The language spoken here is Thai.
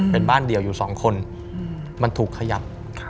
เป็นบ้านเดียวอยู่๒คนมันถูกขยับ